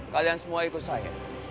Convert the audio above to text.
kalian semua ikut saya